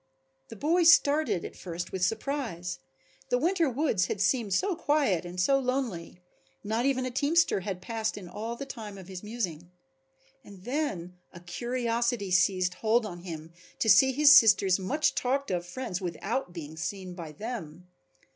The boy started, at first with surprise. The winter woods had seemed so quiet and so lonely, not even a teamster had passed in all the time of his musing. And then a curiosity seized hold on him to see his sister's much talked of friends without being seen by them.